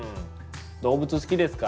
動物好きですか？